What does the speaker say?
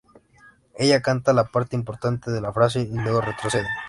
Ella canta la parte importante de la frase, y luego retrocede.